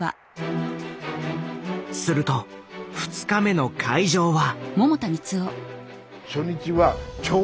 すると２日目の会場は。